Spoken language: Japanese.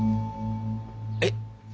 えっ？